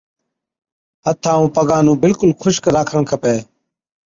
هٿان ائُون پگان نُون بِلڪُل خُشڪ راکڻ کپَي،